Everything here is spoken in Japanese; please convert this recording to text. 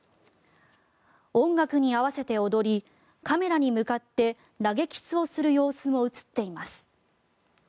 音楽に合わせて踊りカメラに向かって投げキスをする様子も映っています。